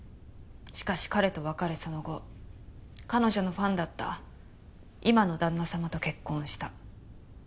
しかし彼と別れその後彼女のファンだった今の旦那様と結婚した。